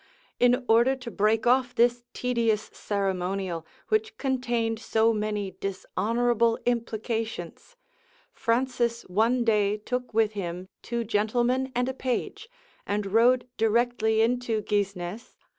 In order to break off this tedious ceremonial, which contained so many dishonorable implications, Francis one day took with him two gentlemen and a page, and rode directly into Guisnes.